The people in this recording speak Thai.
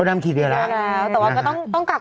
สวัสดีครับ